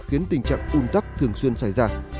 khiến tình trạng ung tắc thường xuyên xảy ra